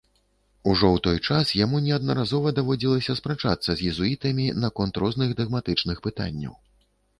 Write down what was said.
Ужо ў той час яму неаднаразова даводзілася спрачацца з езуітамі наконт розных дагматычных пытанняў.